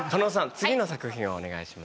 次の作品をお願いします。